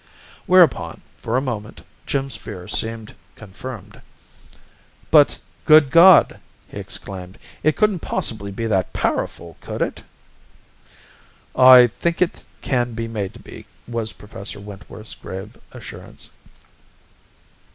Whereupon, for a moment, Jim's fear seemed confirmed. "But, good God!" he exclaimed. "It couldn't possibly be that powerful, could it?" "I think it can be made to be," was Professor Wentworth's grave assurance.